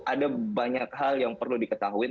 ada banyak hal yang perlu diketahui